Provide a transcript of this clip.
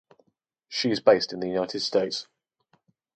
She is based in the United States.